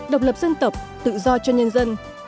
độc lập dân tộc tự do cho nhân dân